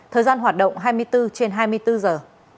thời gian hoạt động hai mươi bốn trên hai mươi bốn giờ